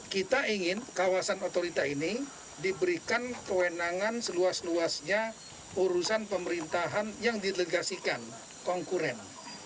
kita ingin kawasan otorita ini diberikan kewenangan seluas luasnya urusan pemerintahan yang didelegasikan konkuren